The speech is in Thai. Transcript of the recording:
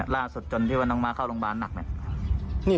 ล่าสุดจนที่ว่าน้องมักเข้าโรงบาลหนัก